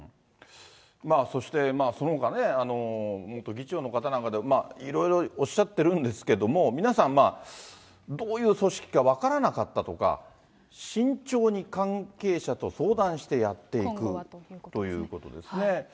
そして、そのほかね、元議長の方なんかでも、いろいろおっしゃってるんですけれども、皆さんどういう組織か分からなかったとか、慎重に関係者と相談してやっていく。ということですね。